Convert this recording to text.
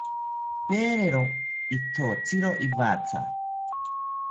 Pedero ithotziro iwatha